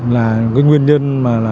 là nguyên nhân